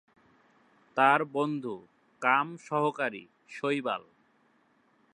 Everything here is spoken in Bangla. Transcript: তার বন্ধু কাম সহকারী শৈবাল।